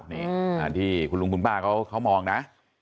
นี่ที่คุณลุงคุณป้าเขามองนะ